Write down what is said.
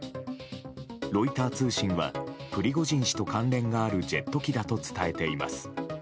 ロイター通信は、プリゴジン氏と関連があるジェット機だと伝えています。